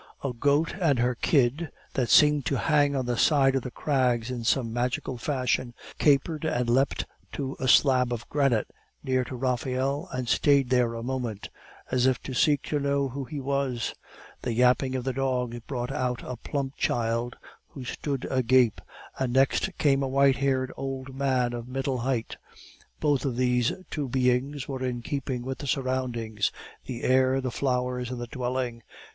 A goat and her kid, that seemed to hang on the side of the crags in some magical fashion, capered and leapt to a slab of granite near to Raphael, and stayed there a moment, as if to seek to know who he was. The yapping of the dogs brought out a plump child, who stood agape, and next came a white haired old man of middle height. Both of these two beings were in keeping with the surroundings, the air, the flowers, and the dwelling.